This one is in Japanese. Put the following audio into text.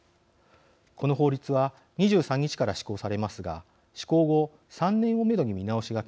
この法律は２３日から施行されますが施行後３年をめどに見直しが検討されます。